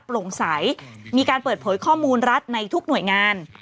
โปร่งใสมีการเปิดเผยข้อมูลรัฐในทุกหน่วยงาน